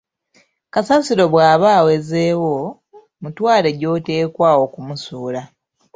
Kasasiro bwaba awezeewo, mutwale gy‘oteekwa okumusuula.